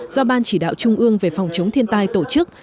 do ban chỉ đạo trung ương về phòng chống thiên tai tổ chức